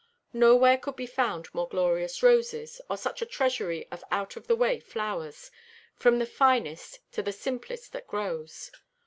Nowhere could be found more glorious roses, or such a treasury of out of the way flowers, from the finest to the simplest that grows.